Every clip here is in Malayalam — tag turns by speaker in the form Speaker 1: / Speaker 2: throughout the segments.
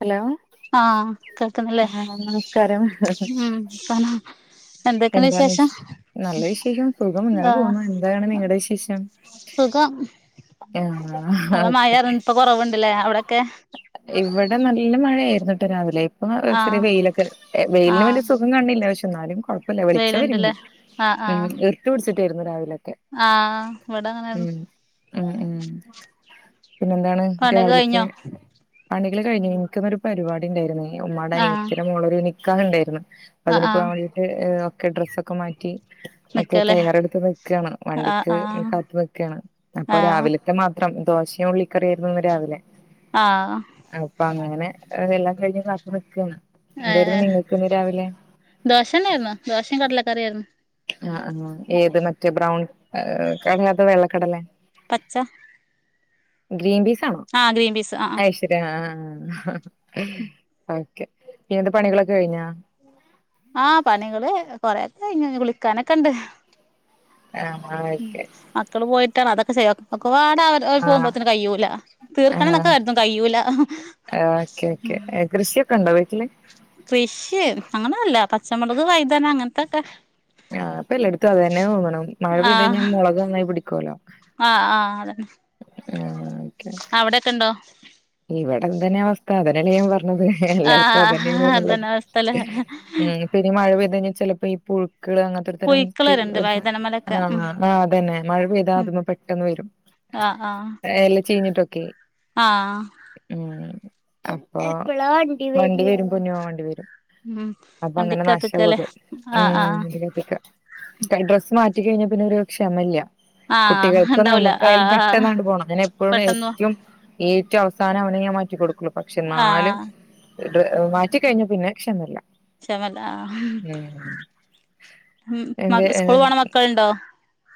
Speaker 1: ഹലോ
Speaker 2: ആഹ് കേക്കുന്നില്ലേ
Speaker 1: ആഹ് നമസ്കാരം
Speaker 2: ഉം പർഞ്ഞോ
Speaker 1: എന്താണ് വിശേ നല്ല വിശേഷം സുഖം ഇങ്ങനെ
Speaker 2: ആഹ്
Speaker 1: പോവുന്നു എന്താണ് നിങ്ങടെ വിശേഷം
Speaker 2: സുഖം
Speaker 1: ആഹ് ഓക്കെ
Speaker 2: കുറവുണ്ട്ല്ലേ അവിടൊക്കെ
Speaker 1: ഇവിടെ നല്ല മഴയായിരുന്നു ട്ടൊ രാവിലെ ഇപ്പൊ ന്നാ ചെറിയ
Speaker 2: ആഹ്
Speaker 1: വെയിലൊക്കെണ്ട് വെയിലിന്
Speaker 2: ആഹ്
Speaker 1: വലിയ സുഖം കാണിണില്ല പക്ഷെ എന്നാലും കുഴപ്പല്ല വെളിച്ച
Speaker 2: വെയിലുണ്ടല്ലേ
Speaker 1: വര്ന്ന്
Speaker 2: ആഹ് ആഹ്
Speaker 1: ട്ട് പിടിച്ചിട്ടയിരുന്നു രാവിലൊക്കെ
Speaker 2: ആഹ് ഇവിടെ അങ്ങനെയായിരുന്നു
Speaker 1: ഉം ഉം ഉം പിന്നെ എന്താണ്
Speaker 2: പണിയൊക്കെ
Speaker 1: രാവിലത്തെ
Speaker 2: കഴിഞ്ഞോ
Speaker 1: പണികള് കഴിഞ്ഞ് ഇനിക്കുന്നൊരു പരിപാടി ഉണ്ടായിരുന്നെ ഉമ്മാടെ
Speaker 2: ആഹ്
Speaker 1: അനിയത്തിടെ മോളൊരു നിക്കാഹ് ഉണ്ടായിരുന്നു
Speaker 2: ആഹ്
Speaker 1: അതിന്
Speaker 2: ആഹ്
Speaker 1: പോകാൻവേണ്ടീട്ട് ഒക്കെ ഡ്രസ്സ് ഒക്കെ മാറ്റി ഒക്കെ
Speaker 2: നിക്കാല്ലേ
Speaker 1: തയ്യാറെടുത്ത് നിക്കാണ്
Speaker 2: ആഹ്
Speaker 1: വണ്ടിക്ക്
Speaker 2: ആഹ്
Speaker 1: കാത്ത് നിക്കാണ് അപ്പൊ
Speaker 2: ആഹ്
Speaker 1: രാവിലെ മാത്രം ദോശയും ഉള്ളിക്കറിയായിരുന്ന് ഇന്ന് രാവിലെ
Speaker 2: ആഹ്
Speaker 1: അപ്പൊ അങ്ങനെ എല്ലാം കഴിഞ്ഞ് കാത്ത് നിക്കാണ് എന്തായിരുന്നു നിങ്ങൾക്ക് ഇന്ന് രാവിലെ
Speaker 2: ദോശണ്ടാരുന്നു ദോശയും കടലക്കറിയായിരുന്നു.
Speaker 1: ആഹ് ആഹ് ഏത് മറ്റേ ബ്രൗൺ ഏഹ് കടലേ അതോ വെള്ളക്കടലേ
Speaker 2: പച്ച
Speaker 1: ഗ്രീൻ പീസ് ആണോ
Speaker 2: ആഹ് ഗ്രീൻ പീസ് ആഹ് ആഹ്
Speaker 1: അയ്ശ് ആഹ് ഓക്കെ പിന്നെന്ത് പണികളൊക്കെ കഴിഞ്ഞാ
Speaker 2: ആഹ് പണികള് കൊറക്കെ കഴിഞ്ഞു ഇനി കുളിക്കാനൊക്കെണ്ട്
Speaker 1: ആഹ് ആഹ് ഓക്കെ
Speaker 2: മക്കള് പോയിട്ടാണ് അതൊക്കെ സേവാക്കും ഒക്കെപാടെവര്
Speaker 1: ആഹ്
Speaker 2: പോവുമ്പോത്തിന് കയ്യൂല തീർക്കണം എന്നൊക്കെ
Speaker 1: ആഹ്
Speaker 2: കരുതും കയ്യൂല ഉം
Speaker 1: ക്കെണ്ടൊ വീട്ടില്
Speaker 2: കൃഷ് അങ്ങനെന്നൂല്ല പച്ചമുളക് വൈതന അങ്ങനത്തൊക്കെ
Speaker 1: ആഹ് പ്പൊ എല്ലായിടത്തും അത് തന്നെ തോന്ന്ണു മഴ പെയ്തഴിഞ്ഞാ
Speaker 2: ആഹ്
Speaker 1: മുളക് നന്നായി പിടിക്കോല്ലോ
Speaker 2: ആഹ് ആഹ് അതന്നെ
Speaker 1: ആഹ് ഓക്കെ ഓക്കെ
Speaker 2: അവിടൊക്കെണ്ടോ
Speaker 1: ഇവിടെ ഇന്തന്നെ അവസ്ഥ അതന്നല്ലേ ഞാൻ പറഞ്ഞത് എല്ലായിടത്തും
Speaker 2: ആഹ്
Speaker 1: അതന്നേണ് യെന്നുള്ളത്
Speaker 2: അതന്നെ അവസ്ഥല്ലേ
Speaker 1: ഉം പിന്നേ ഈ മഴ പെയ്ത് കഴിഞ്ഞാൽ ചിലപ്പോ ഈ പുഴുക്കൾ അങ്ങ തൊര് തൊരം ക്ക്‌
Speaker 2: പുഴുക്കളരുണ്ട്
Speaker 1: ഒരു സാ
Speaker 2: വൈതനമലൊക്കെ
Speaker 1: ആഹ്
Speaker 2: ഉം
Speaker 1: ആഹ് അതന്നെ മഴ പെയ്താ
Speaker 2: ഉം
Speaker 1: അതുങ് പെട്ടെന്ന് വരും
Speaker 2: ആഹ് ആഹ്
Speaker 1: എല്ല ചീഞ്ഞിട്ടൊക്കെ
Speaker 2: ആഹ്
Speaker 1: അപ്പ വണ്ടി വരും പൊന്നോ വണ്ടി വരും
Speaker 2: ഉം
Speaker 1: അപ്പൊ അങ്ങനെ
Speaker 2: വണ്ടിക്കകത്ത്ക്കല്ലേ
Speaker 1: നാശകൊത് ഉ
Speaker 2: ആഹ് ആഹ്
Speaker 1: ഡ്രസ്സ് മാറ്റി കഴിഞ്ഞ പിന്നെഒരു ക്ഷമല്ല.
Speaker 2: ആഹ്
Speaker 1: കുട്ടികൾക്കും
Speaker 2: ഉണ്ടാവൂല
Speaker 1: നമുക്കായാലും
Speaker 2: ആഹ് ആഹ്
Speaker 1: പെട്ടെന്നാണ്ട് പോണം അങ്ങെ എപ്പോഴും
Speaker 2: പെട്ടെന്ന്
Speaker 1: ഏറ്റും ഏറ്റവും അവസാനം അവനെ ഞാൻ മാറ്റി കൊടുക്കുള്ളൂ. പക്ഷെ എന്നാലും
Speaker 2: ആഹ്
Speaker 1: മാറ്റി കഴിഞ്ഞ പിന്നെ ക്ഷമല്ല.
Speaker 2: ക്ഷമല്ലാ ആ
Speaker 1: എന്ത്
Speaker 2: സ്കൂൾ പോണ മക്കൾളുണ്ടോ?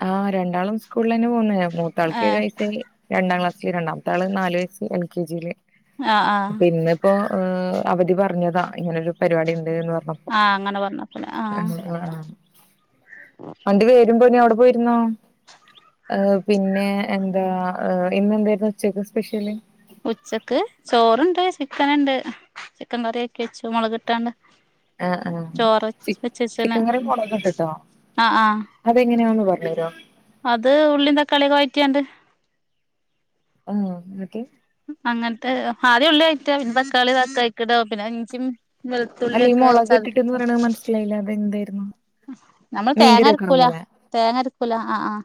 Speaker 1: ആഹ് രണ്ടാളും സ്കൂളിൽ തന്നെ പോവുന്ന മൂത്താൾക്ക് ഏഴു
Speaker 2: ഏഹ്
Speaker 1: വയസ്സായി. രണ്ടാം ക്ലാസില് രണ്ടാമത്തെ ആള് നാലു വയസ് എൽ കെ ജി ൽ
Speaker 2: ആഹ് ആഹ്
Speaker 1: പിന്നെ ഇപ്പോ അവധി പറഞ്ഞതാ ഇങ്ങനെരു പരിപാടി ഉണ്ട്ന്ന് പറഞ്ഞപ്പോ.
Speaker 2: ആഹ് അങ്ങനെ പറഞ്ഞപ്പലെ ആഹ്
Speaker 1: വണ്ടി വേരും പൊന്നോ അവിടെ പോയിരുന്നോ. പിന്നെ എന്താ ഇന്ന്ന്തായിരുന്നു ഉച്ചേക്ക് സ്പെഷ്യൽ.
Speaker 2: ഉച്ചക്ക് ചോറണ്ട്, ചിക്കന്ണ്ട്, ചിക്കൻ കറിയാക്കി വെച്ചു. മുള്ക് ട്ടാണ്ട്
Speaker 1: ആഹ് ആഹ്
Speaker 2: ചോറ്
Speaker 1: ചി
Speaker 2: വെച്ച്ച്ച്ണ്‌
Speaker 1: ചിക്കൻ
Speaker 2: ആ ഹ്ആഹ്.
Speaker 1: അതെങ്ങനെയാ പറഞ്ഞു തരോ.
Speaker 2: അത് ഉള്ളിം തക്കാളിയും വയറ്റിക്കാണ്ട്.
Speaker 1: [unintelligible]
Speaker 2: അങ്ങനത്തെ ആദ്യം ഉള്ളി വയറ്റ പിന്നെ തക്കാളിതാക്ക അയക്ക്കട പിന്നെ ഇഞ്ചിം.
Speaker 1: അല്ല ഈ
Speaker 2: വെളുത്തുള്ളിയൊക്കെ ചതക്കി.
Speaker 1: മൊളകിട്ടിട്ട്ന്ന് പറയണത് മനസ്സിലായില്ല അതെന്തായിരുന്നു?
Speaker 2: നമ്മള്
Speaker 1: മീൻകറി വെക്കണ
Speaker 2: തേങ്ങരക്കൂലാ
Speaker 1: പോലെ
Speaker 2: തേങ്ങരക്കൂല ആഹ് ആഹ്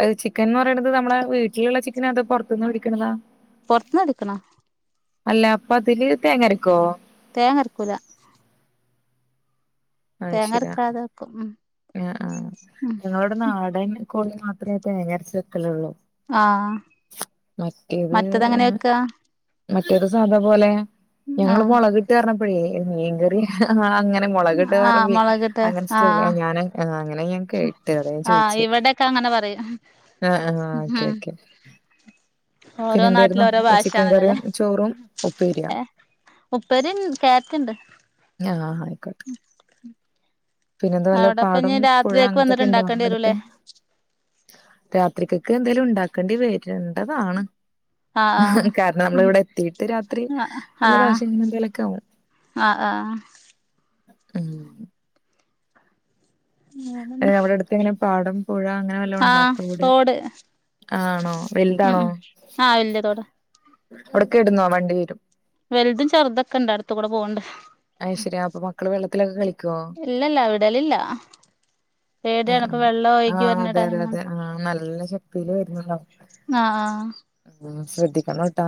Speaker 1: അ ചിക്കൻ എന്ന് പറയണുന്നത് നമ്മളെ വീട്ടിലുള്ള ചിക്കൻ അത് പുറത്തുന്ന് വേടിക്കണതാ?
Speaker 2: പൊറത്തിന്ന് വെടിക്കണതാ.
Speaker 1: അല്ല അപ്പൊ ഇതില് തേങ്ങരക്കോ?
Speaker 2: തേങ്ങരക്കൂല. തേങ്ങ ആരക്കാതെവെക്കും ഉ
Speaker 1: ആ ആ ഞങ്ങളുടെ നാടൻ കോഴി മാത്രമേ തേങ്ങരച്ച് വോക്കലുള്ളൂ.
Speaker 2: ആഹ്
Speaker 1: മറ്റേത്
Speaker 2: മറ്റതെങ്ങനെ വെക്കാ
Speaker 1: മറ്റേത് സാധാ പോലെ ഇങ്ങൾ
Speaker 2: ആഹ്
Speaker 1: മുളകിട്ട് പറഞ്ഞപ്പോഴേ മീൻകറിയ ആ അങ്ങനെ മുളക് ഇട്ട്
Speaker 2: ആഹ്
Speaker 1: പറമ്പ
Speaker 2: മുളകിട്ട്
Speaker 1: അങ്ങന്ടല്ല ഞൻ അങ്ങനെ [unintelligible] അതാ ഞാൻ
Speaker 2: ആ
Speaker 1: ചോദിച്ചേ
Speaker 2: ഇവിടൊക്കെ അങ്ങനെ പറയും.
Speaker 1: ആഹ് ആഹ് ഓക്കെ ഓക്കെ പിന്നെ
Speaker 2: ഓരോ
Speaker 1: എന്തായിരുന്നു
Speaker 2: നാട്ടില് ഓരോ
Speaker 1: ചിക്കൻ
Speaker 2: ഭാഷണല്ലോ ല്ലേ
Speaker 1: കറിയും ചോറും ഉപ്പേരിയാ
Speaker 2: എ. ഉപ്പേരിൻ ക്യാരറ്റുണ്ട്.
Speaker 1: ആഹ് ആയ്ക്കോട്ടെ. പിന്നെ എന്ത വല്യ
Speaker 2: അവിടെപ്പ
Speaker 1: പാടം
Speaker 2: ഇനി
Speaker 1: പുഴ
Speaker 2: രാത്രിയേക്ക് വന്നിട്ട്
Speaker 1: അങ്ങനത്തൊക്കെ ഉണ്ടോ
Speaker 2: ഇണ്ടാക്കേണ്ടി
Speaker 1: അടുത്ത്.
Speaker 2: വരൂല്ലേ
Speaker 1: രാത്രിക്കക്ക് എന്തെങ്കിലും ഉണ്ടാക്കെണ്ടി വരണ്ടതാണ്.
Speaker 2: ആഹ് ആഹ്
Speaker 1: കാരണം നമ്മള്
Speaker 2: ഉം
Speaker 1: ഇവിടെ എത്തിട്ട് രാത്രി
Speaker 2: ആഹ്
Speaker 1: നല്ല
Speaker 2: ആഹ്
Speaker 1: ദാശ്യ ഇങ്ങനെ എന്തെലുംക്കെ ആകും.
Speaker 2: ആഹ് ആഹ്
Speaker 1: ഉം അ അവിടത്ത് അടുങ്ങനെ പാടം പുഴ അങ്ങ
Speaker 2: ആ തോട്.
Speaker 1: ആണോ
Speaker 2: ഉം
Speaker 1: വലുതാണോ
Speaker 2: ഉം ആഹ് വല്യ തോടാ
Speaker 1: അവ്ടക്കിടന്നോ വണ്ടി വരും
Speaker 2: വലുതും ചെറുതൊക്കെ ഇണ്ട് അടുത്തുകൂടെ പോണ്ട്.
Speaker 1: അയ്ശരി അപ്പ മക്കള് വെള്ളത്തിലൊക്ക കളി
Speaker 2: ഇല്ലല്ല വിടലില്ല.
Speaker 1: ആ
Speaker 2: പേടിയാണ് ഇപ്പൊ വെള്ളം
Speaker 1: ആ
Speaker 2: ഒഴുകി വരണ
Speaker 1: അതെ അതെ
Speaker 2: ടൈമാണ്
Speaker 1: അതെ ആ നല്ല ശക്തിയില് വരുന്നുണ്ടാവും.
Speaker 2: ആഹ്
Speaker 1: ആഹ് ശ്രദ്ധിക്കണം ട്ടാ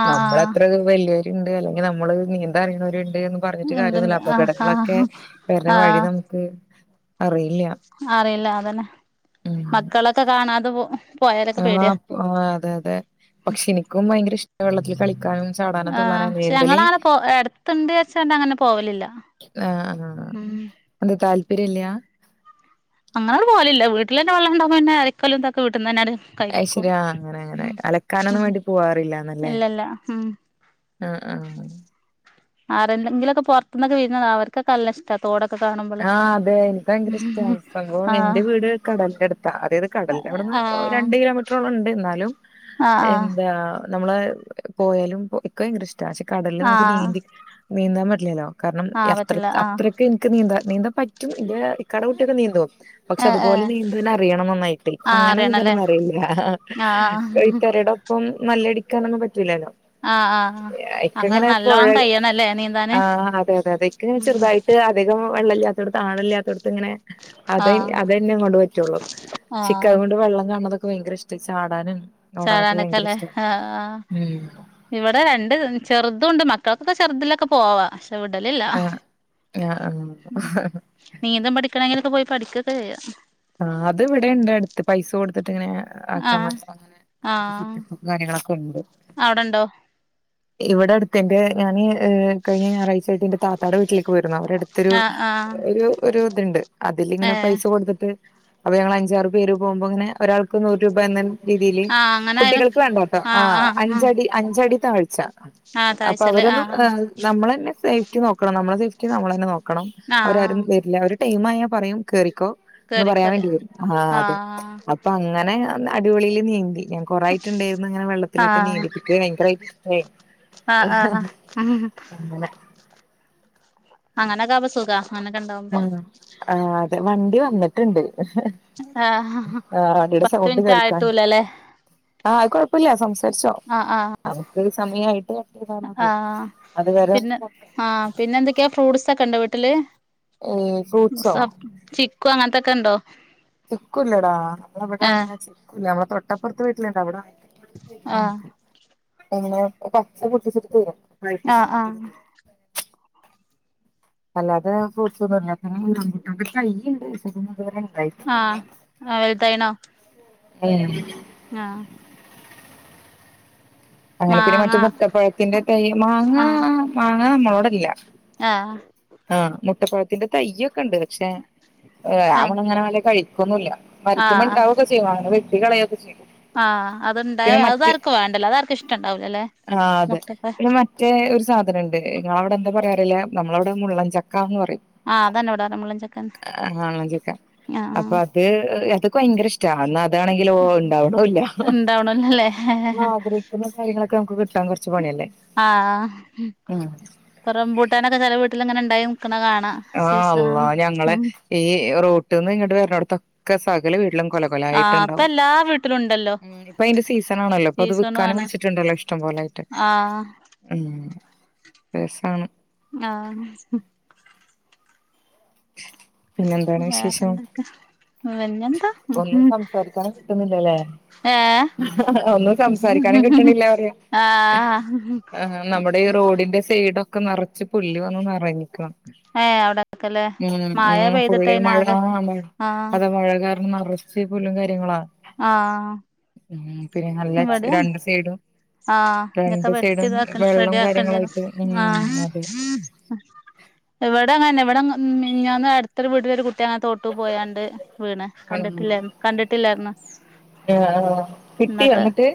Speaker 2: ആഹ് ആഹ്
Speaker 1: നമ്മളത്ര വലിയരുണ്ട് അല്ലെങ്കി നമ്മള് നീ ന്താൻ അറിയുന്നവരുണ്ട് പറഞ്ഞിട്ട്
Speaker 2: ആഹ് ഇണ്ട്ണ്ട്
Speaker 1: കാര്യൊന്നുമില്ല
Speaker 2: ആഹ്
Speaker 1: അപകടങ്ങളൊക്കെ
Speaker 2: ആഹ്
Speaker 1: വരുന്ന വഴി
Speaker 2: ആഹ്
Speaker 1: നമുക്ക് അറിയില്ല്യ.
Speaker 2: അറിയില്ല അതന്നെ ഒക്കെ കാണാതപ്പോ
Speaker 1: ആഹ് ആഹ് അതെ അതെ പക്ഷെ എനിക്കും വയങ്കര ഇഷ്ട വെള്ളത്തില് കളിക്കാനും ചാടാനും
Speaker 2: ആഹ്
Speaker 1: തുള്ളാനും
Speaker 2: പക്ഷെ
Speaker 1: നീന്തല്
Speaker 2: ഞങ്ങളങ്ങനെ പോ എടുത്തണ്ട് വച്ചാണ്ട് അങ്ങനെ പോവലില്ല.
Speaker 1: ആഹ് ആഹ്
Speaker 2: ഉം
Speaker 1: എന്താ താല്പര്യംല്ലാ
Speaker 2: നമ്മളങ്ങട്ട് പോവലില്ല വീട്ടിലെന്നെ വള്ളണ്ടാകുമ്പോ പിന്നെ അലക്കലുതൊക്കെ വീട്ട്ന്നെന്നങ്ങട്ട്.
Speaker 1: അയ്ശരിയാ അങ്ങനെ അങ്ങനെ അലക്കാനൊന്നും
Speaker 2: ഉം
Speaker 1: വേണ്ടി പോവാറില്ലന്നല്ലേ
Speaker 2: ഇല്ലല്ല ഉം
Speaker 1: ആഹ് ആഹ്
Speaker 2: ആരെണ്ടെങ്കിലൊക്കെ പൊറത്ത്ന്നൊക്കെ വിരുന്നന്ന അവർക്കൊ ക്കല്ലഷ്ടാ തോടൊക്കെ കാണുമ്പോളെ
Speaker 1: ആഹ് അതെ എനിക്ക്
Speaker 2: [unintelligible] ആഹ്
Speaker 1: കടലിന്റെടുത്താ അതായത് കടലന്റെവിടുന്ന്
Speaker 2: ആഹ്
Speaker 1: ഓഹ് രണ്ട് കിലോമീ റ്ററൊളണ്ട് ന്നാലും
Speaker 2: ആഹ് ആഹ്
Speaker 1: എന്താ നമ്മള് പോയാലും ഇക്ക് ഭയങ്കര ഇഷ്ട ക്യാഷ് കടലില് നമുക്ക്
Speaker 2: ആഹ്
Speaker 1: നീന്തി നീന്താൻ പറ്റ്ല്ലല്ലോ കാരണം
Speaker 2: ആഹ്
Speaker 1: അത്ര
Speaker 2: പറ്റില്ല ആഹ്
Speaker 1: അത്രക്ക് ക്ക് നീന്ത നീന്താൻ പറ്റും ഇന്റെ ഇക്കാടെ കുട്ടിയൊക്കെ നീന്തും. പക്ഷെ
Speaker 2: ഏഹ്
Speaker 1: അതുപോലെ
Speaker 2: ഏഹ്
Speaker 1: നീന്തൻ അറിയണം നന്നായിട്ട്
Speaker 2: ആഹ്
Speaker 1: അങ്ങനെ
Speaker 2: അറിയണല്ലേ
Speaker 1: നീന്തനൊന്നറിയൂല്ല
Speaker 2: ആഹ്
Speaker 1: റ്ററേടൊ ഇപ്പം മല്ലടിക്കാനൊന്നും പറ്റൂല്ലല്ലോ
Speaker 2: ആഹ് ആഹ് ആഹ് അങ്ങനെ
Speaker 1: ഇക്കങ്ങനെ പൊഴ
Speaker 2: നല്ലോണം കയ്യണല്ലേ നീന്താന്
Speaker 1: ആഹ് അതെതെ അതെ ഇക്ക് ചെറുതായി അധികം വെള്ളല്ലാത്തോടത്ത് ആളില്ലാതോട്ത്ത്ങ്ങനെ അതെ
Speaker 2: ആഹ്
Speaker 1: അത് തന്നെ കൊണ്ട് പറ്റുള്ളൂ ചിക്കൻ
Speaker 2: ആഹ്
Speaker 1: കൊണ്ട് വള്ളം കാണ്ണതൊക്കെ വയങ്കര ഇഷ് പോയി ചാടാനും. ഓടാനൊക്കെ ഭയങ്കര
Speaker 2: ചാടാനൊക്കല്ലേ
Speaker 1: ഇഷ്ട
Speaker 2: ആഹ് ആഹ്
Speaker 1: ഉം
Speaker 2: ഇവടെ രണ്ട് ചെറുതുണ്ട് മക്കൾക്കൊക്കെ ചെറുതിലൊക്കെ പോവാ ചവ്ടലില്ല
Speaker 1: ആഹ് ആഹ്
Speaker 2: നീന്തം പഠിക്കണെങ്കിലൊക്കെ പോയി പഠിക്കൊക്കെ ചെയ്യാം.
Speaker 1: ആഹ് അത് ഇവിടെണ്ട് അടുത്ത് പൈസ കൊടുത്തിട്ടിങ്ങനെ ആക്കാൻ
Speaker 2: ആഹ്
Speaker 1: അങ്ങനത്തെ സെറ്റപ്പ് കാര്യങ്ങളൊക്കെ ഉണ്ട്.
Speaker 2: അവടെണ്ടോ
Speaker 1: ഇവടെ അടുത്ത്ണ്ട് ഞാന് ഈഹ് കഴിഞ്ഞ ഞായറാഴ്ച്ചായിട്ട് ന്റെ താ ക്കാടെ വീട്ടിലേക്ക് പോയിരുന്നു അവിടെ അടുത്തൊരു
Speaker 2: ആഹ് ആഹ്
Speaker 1: ഒരു ഇതുണ്ട് അതിലിങ്ങനെ
Speaker 2: ഏഹ്
Speaker 1: പൈസ കൊടുത്തിട്ട് അപ്പൊ ഞങ്ങള് അഞ്ചാറ് പേര് പോകുമ്പോ ങ്ങനെ ഒരാൾക്ക് നൂറ് രൂപ എന്ന രീതിയില്
Speaker 2: ആഹ് അങ്ങനെ ആയാലും
Speaker 1: കുട്ടികൾക്ക് വേണ്ടട്ടോ ആഹ് അഞ്ചടി അഞ്ചടി താഴ്ച അപ്പൊ അവരൊന്നും ആഹ് നമ്മളെന്നെ സേഫ്റ്റി നോക്കണം നമ്മളെ സേഫ്റ്റി നമ്മളെന്നെ നോക്കണം അവരാരും
Speaker 2: ആഹ്
Speaker 1: വരില്ല അവര് ടൈമായ പറയും കേറിക്കോ എന്ന്
Speaker 2: കേറി
Speaker 1: പറയാൻ
Speaker 2: കേറി
Speaker 1: വേണ്ടി വരും ആഹ് അതെ അപ്പോ അങ് അങ്ങനെ അടിപൊളിൽ നീന്തി ഞാൻ കൊറായിട്ട്ണ്ടായിരുന്നിങ്ങനെ വെള്ളത്തിലൊക്കെ
Speaker 2: ആഹ്
Speaker 1: നീന്തിട്ട് ഇക് ഭയങ്കരമായിട്ട് ഇഷ്ടായി.
Speaker 2: ഉഹ് [unintelligible] അങ്ങനൊക്കാകുമ്പോ സുഖാ അന്നൊക്കെണ്ടാകു
Speaker 1: ആഹ് അതെ വണ്ടി വന്ന് ട്ട്ണ്ട്
Speaker 2: ആഹ്
Speaker 1: ആഹ് വണ്ടിടെ
Speaker 2: പത്ത്
Speaker 1: സൗണ്ട്
Speaker 2: മിനിറ്റ്
Speaker 1: കേൾക്കാണ്ട്.
Speaker 2: ആയിട്ടുല്ലല്ലേ
Speaker 1: ആഹ് അഹ് കൊഴപ്പൊല്ല സംസാരിച്ചോ
Speaker 2: ആഹ് ആഹ്
Speaker 1: നമുക്ക് സമയായിട്ട് [unintelligible]
Speaker 2: ആഹ്
Speaker 1: അത് വരെ
Speaker 2: പിന്നെ
Speaker 1: നമുക്ക്
Speaker 2: ആഹ് പിന്നെന്തൊക്കെയാ ഫ്രൂട്ട്സൊക്കെണ്ടോ വീട്ടില്
Speaker 1: ഏഹ് ഫ്രൂട്ട്സോ
Speaker 2: മുസ ചിക്കു അങ്ങനത്തൊക്കെണ്ടോ
Speaker 1: ചിക്കൂല്ലടാ നമ്മളെവിടെങ്ങനെ ചിക്കുല്ല നമ്മളെ തൊട്ടപ്പൊറത്തെ വീട്ടിലിണ്ട് അവടാണെ ആഹ് എങ്ങനെ പച്ച പൊട്ടിച്ചിട്ട്ട്ടുണ്ടോ [inaudible]
Speaker 2: ആഹ് ആഹ്
Speaker 1: അല്ലാതെ ഫ്രൂട്സൊന്നുല്ല പിന്നെ ഈ റമ്പുട്ടാന്റെ തയ്യിണ്ട് ഷെ തിമ്മെത്‌വരെ
Speaker 2: ആഹ് ആഹ് വലുതായിണോ
Speaker 1: [unintelligible]
Speaker 2: ആഹ്
Speaker 1: അങ്ങെനെ പിന്നെ
Speaker 2: മാങ്ങ
Speaker 1: മറ്റേ മുട്ടപ്പഴത്തിന്റെ തയ്യ് മാങ്ങ
Speaker 2: ആഹ്
Speaker 1: മാങ്ങ നമ്മളോടല്ല
Speaker 2: ആഹ്
Speaker 1: ആഹ് മുട്ടപ്പഴത്തിന്റെ തയ്യൊക്കെണ്ട് പക്ഷെ ആ
Speaker 2: ആഹ്
Speaker 1: [unintelligible] കഴിക്കൊന്നുല്ല
Speaker 2: ആഹ്
Speaker 1: മര്ത്തിമ്മെണ്ടാവൊക്കെ ചെയ്യും വാ [unintelligible] വെട്ടികളയൊക്കെ ചെയ്യും
Speaker 2: ആഹ് അത്ണ്ടായ
Speaker 1: പിന്നെ മറ്റെ
Speaker 2: അതാർക്കും വേണ്ടല്ലോ അതാർക്‌ഷ് റ്റണ്ടാവൂലലേ
Speaker 1: ആഹ് അതെ പിന്നെ മ റ്റേ ഒര് സാധനണ്ട് ഇങ്ങളവ്ടെ എന്താ പറയാറീലാ നമ്മളവ്ടെ മുള്ളൻചക്കാന്ന് പറയും
Speaker 2: ആഹ് അതെന്നെ ഇവടെ പറ്യാ മുള്ളൻ ചക്കെന്നെ ആഹ് ആഹ്
Speaker 1: ത് എത്ക് വയ്ങ്കെരെഷ്റ്റാ ന്നാ അതാണെങ്കിലോ ണ്ടാവ്ണൂല
Speaker 2: ഉണ്ടാവണല്ലോല്ലേ
Speaker 1: നമ്മളാഗ്രഹിക്ന്ന തൈകള് ക്കെ നമ്ക്ക് കിട്ടാൻ കൊർച്ച് പണ്യെല്ലേ ഉം
Speaker 2: ഇപ്പം റബ്ബുട്ടാനൊക്കെ ചെലെ വീട്ട്ല്ങ്ങെനെണ്ടായി മുക്ണെ കാണാ
Speaker 1: ആഹ്
Speaker 2: സീസണാ
Speaker 1: അല്ലാഹ് ഞങ്ങളെ
Speaker 2: ഉം
Speaker 1: ഈ റോട്ട്ന്ന്ങ്ങട്ട് വെര്ണോട്ത്താെ ക്കെ സകല വീട്ടിലും കൊല
Speaker 2: ആഹ് ഇപ്പ
Speaker 1: കൊലായ്ട്ട്ണ്ടാവും
Speaker 2: എല്ലാ വീട്ടിലും ഉണ്ടല്ലോ
Speaker 1: ഉം ഇപ്പയ്ന്റെ സീസണാണല്ലോ ഇപ്പൊത്
Speaker 2: സീസണു
Speaker 1: വിക്കാനും
Speaker 2: ആണ്
Speaker 1: വെച്ചിട്ട്ണ്ടല്ലോ ഇഷ്ടം പോലായ്ട്ട്
Speaker 2: ആഹ്
Speaker 1: ഉം രസാണ്
Speaker 2: ആഹ്
Speaker 1: പിന്നെന്താണ് വിശേഷം
Speaker 2: വേറെന്തെക്കെ വെഞ്ഞെന്താ?
Speaker 1: ഒന്നും സംസാരിക്കാനും കിട്ട്ന്നില്ലലേ
Speaker 2: ഏഹ്
Speaker 1: ഒന്നും സംസാരിക്കാനും കിട്ട്ണില്ലാ പറ്യാ
Speaker 2: ആഹ്
Speaker 1: ആഹ് നമ്മുടെ ഈ റോഡിന്റെ സൈ‌ഡോക്കെ നറച്ച് പുല്ല് വന്ന് നറഞ്ഞ്ക്കാ
Speaker 2: ഏഹ് അവിടൊക്കെല്ലേ
Speaker 1: ഉം
Speaker 2: മഴ
Speaker 1: ഉം
Speaker 2: പെയ്തിട്ട്
Speaker 1: ഫുള്ളി മഴാ
Speaker 2: അയിനാകെ
Speaker 1: ആഹ് മഴ
Speaker 2: ആഹ്
Speaker 1: അത മഴ നറച്ച് പുല്ലും കാര്യങ്ങളാ
Speaker 2: ആഹ്
Speaker 1: ഉം പിന്നെ നല്ലെ ച്ച്
Speaker 2: ഇവിടെയാണ്
Speaker 1: രണ്ട് സെയ്ഡും
Speaker 2: ആഹ് ഞ്ഞൊക്കെ വെട്ടി താക റെഡ്യാക്കെണ്ട്യെരും
Speaker 1: കാര്യങ്ങളായിട്ട് ഉം
Speaker 2: ആഹ്
Speaker 1: അതെ
Speaker 2: അഹ് ഇവടി അങ്ങെനെന്നെ ഇവടെ മ് മിഞ്ഞാന്ന് അട്തൊര് വീട്ടിലൊര് കുട്ടി അങ്ങെ തോട്ട് പോയാണ്ട് വീണ്
Speaker 1: ആഹ്
Speaker 2: കണ്ട്ട്ട്ല്ലാ കണ്ട്ട്ട്ല്ലാർഞ്ഞ്
Speaker 1: ആഹ് കിട്ടിയോ
Speaker 2: ന്നട്ട്
Speaker 1: എന്നിട്ട്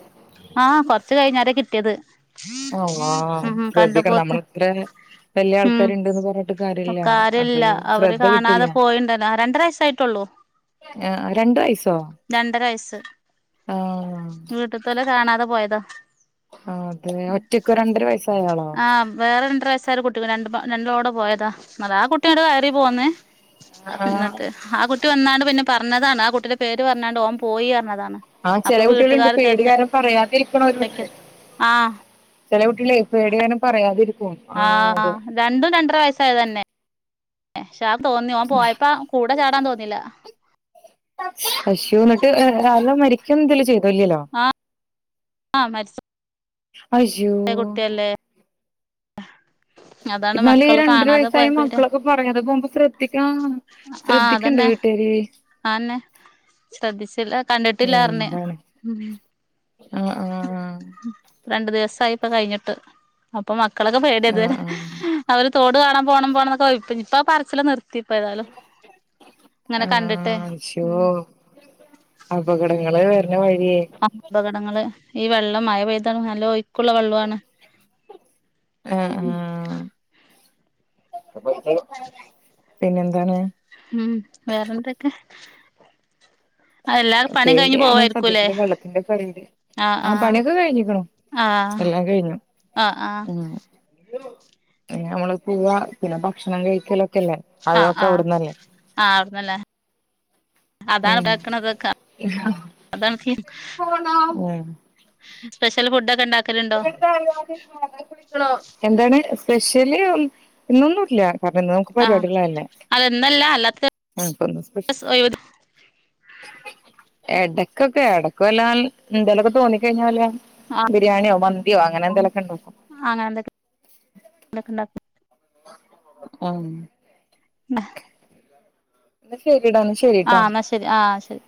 Speaker 2: ആഹ് കൊർച്ച് കഴിഞ്ഞാരെ കിട്ട്യേത്
Speaker 1: അള്ളാഹ് ശ്രദ്ധിക്കണം നമ്മള് ത്രേ വെല്യാ
Speaker 2: ഉം
Speaker 1: ആൾക്കാര്ണ്ട്ന്ന് പർ ട്ട് കാര്യല്ല അത്
Speaker 2: കാര്യല്ല അവര്
Speaker 1: ശ്രദ്ധ
Speaker 2: കാണാതെ
Speaker 1: കിട്ടില്ല്യാ
Speaker 2: പോയിണ്ടല്ലോ രണ്ടര വയസ്സായിട്ടുള്ളൂ
Speaker 1: ഏഹ് അഹ് രണ്ട് വയ്സോ
Speaker 2: രണ്ടര
Speaker 1: ആഹ്
Speaker 2: വീട്ട്താേലെ കാണാതെ പോയതാ
Speaker 1: ആഹ് അതേ ഒറ്റക്കൊ രണ്ടര വയസ്സായാളോ?
Speaker 2: ആഹ് വേറെ രണ്ട്രയസ്സായ ഒര് കുട്ടിക് രണ്ട്പ രണ്ടളുടെ പോയതാ ന്നലാ ആ കുട്ടിങ്ങട്ട് കയറി പോന്ന്
Speaker 1: ആഹ്
Speaker 2: ഇന്നട്ട് ആഹ് കുട്ടി വന്നാണ്ട് പിന്നെ പർഞ്ഞതാണ് ആ കുട്ടിന്റെ പേര് പർഞ്ഞാണ്ട് ഓൻ പോയി പർഞ്ഞതാണ്
Speaker 1: ആഹ് ചെലേ കുട്ട്യേള്ണ്ട് പേടികാര പറയാതിരിക്ക്ണോലുണ്ട്
Speaker 2: ആഹ്
Speaker 1: ചെലേകുട്ട്യേളെ പേടി കാര്ണം പറയാതിരിക്കും
Speaker 2: ആഹ് രണ്ടും രണ്ടര വയസ്സായതെന്നെ ക്ഷെ ആ തോന്നി ഓൻ പോയപ്പ കൂടെ ചാടാൻ തോന്നീലാ
Speaker 1: അശ്യോ ന്ന ട്ട് ആലോ മരിക്കാേന്തേലും ചെയ്തോ ല്ല്യല്ല്യോ
Speaker 2: ആഹ് ആഹ് മരിച്ച
Speaker 1: അയ്യോ
Speaker 2: കുട്ടിയല്ലേ അതാണ്
Speaker 1: ഇന്നാലെ ഈ
Speaker 2: മക്കള്
Speaker 1: രണ്ടര
Speaker 2: കാണാതെ പോയ
Speaker 1: വയസ്സായ
Speaker 2: പേടി
Speaker 1: മക്കളൊക്കെ പറയാതെ പോവുമ്പോ സ്ര ദ്ധികാ
Speaker 2: ആഹ്
Speaker 1: ശ്രദ്ധിക്കണ്ടെ
Speaker 2: അതന്നെ
Speaker 1: വീട്ടാര്
Speaker 2: ആന്നെ ശ്രദ്ധിച്ചില്ല കണ്ടിട്ടില്ലാർഞ്ഞ്
Speaker 1: ആഹ് ആഹ് ആഹ്
Speaker 2: രണ്ട് ദിവസായിപ്പ കഴിഞ്ഞിട്ട് അപ്പൊ മക്കളൊക്കെ പേടിയ ഇത്
Speaker 1: ആഹ്
Speaker 2: വരെ
Speaker 1: ആഹ്
Speaker 2: അവര് തോട് കാണാൻ പോണം പോണം ന്നൊക്കെ ഇപ്പ പറച്ചില് നിർ ത്തി ഇപ്പ ഏതാലും ഇങ്ങനെ കണ്ടിട്ടേ
Speaker 1: ആഹ് ശോ
Speaker 2: ഉം
Speaker 1: അപകടങ്ങള് വരണ വഴിയേ
Speaker 2: അപകടങ്ങള്, ഈ വെള്ളം മഴ പെയ്താൽ നല്ല ഒയുക്കുള്ള വെള്ളമാണ്
Speaker 1: ആഹ് ആഹ് പിന്നെ എന്താണ്
Speaker 2: ഉം വേറെന്തൊക്കെ എല്ലാ പണിം കഴിഞ്ഞ്
Speaker 1: പേടിയാണ്
Speaker 2: പോവായിരിക്കൂല്ലേ
Speaker 1: സതൃത്തില് വെള്ളത്തിന്റെ [unintelligible] ആഹ് പണിയൊക്കെ കഴിഞ്ഞിക്കണു
Speaker 2: ആഹ്
Speaker 1: എല്ലാം കഴിഞ്ഞു
Speaker 2: ആഹ് ആഹ്
Speaker 1: ഉം നമ്മള് പൂവ്വാ പിന്നെ ഭക്ഷണം കഴിക്കലൊക്കെല്ലേ
Speaker 2: ആഹ്
Speaker 1: അതൊക്കെ
Speaker 2: ആഹ്
Speaker 1: അവിടുന്നന്യാ
Speaker 2: ആഹ് അവിടുന്നാല്ലേ അതാണ്
Speaker 1: ഉം
Speaker 2: പെയക്ക്ണതക്കെ, അതണ്ക്കി
Speaker 1: ഉം
Speaker 2: സ്പെഷ്യല് ഫുഡ് ഒക്കെ ഉണ്ടാക്കലുണ്ടോ
Speaker 1: എന്താണ് സ്പെഷ്യല് ഇന്നൊന്നും ഇല്ല കാരണം ന്ന് ക്ക്
Speaker 2: ആഹ്
Speaker 1: പരിപാടികളന്നേ
Speaker 2: അല്ല ഇന്നല്ല അല്ലാത്ത
Speaker 1: [inaudible]
Speaker 2: ദിവസം ഒഴിവ്
Speaker 1: എടക്കൊക്കെ എടക്ക് വല്ലാ എന്തേലൊക്കെ തോന്നി കഴിഞ്ഞാ വല്ല
Speaker 2: ആഹ്
Speaker 1: ബിരിയാണിയോ മന്തിയോ അങ്ങനെ എന്തെലൊക്കെ ഉണ്ടാക്കും
Speaker 2: അങ്ങനെ എന്തൊക്കെ [inaudible] ഉണ്ടാക്കും
Speaker 1: ഒന്ന-
Speaker 2: [unintelligible]
Speaker 1: എന്നാ ശരിടാ ശരിട്ടോ
Speaker 2: ആഹ് എന്നാ ശരി ആഹ് ശരി